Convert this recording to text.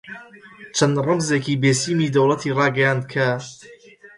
چەند ڕەمزێکی بێسیمی دەوڵەتی ڕاگەیاند کە: